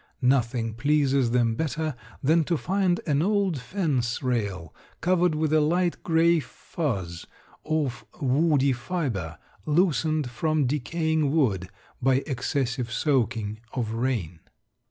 Nothing pleases them better than to find an old fence rail covered with a light gray fuzz of woody fiber loosened from decaying wood by excessive soakings of rain.